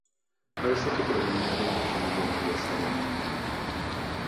Parece que provenía de una familia burguesa de Minden.